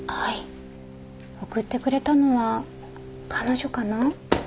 送ってくれたのは彼女かな？